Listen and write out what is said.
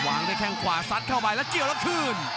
วางได้แข่งขวาสัดเข้าไปแล้วเกี่ยวแล้วคืน